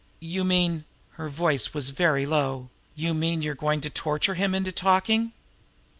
"You mean" her voice was very low "you mean you're going to torture him into talking?"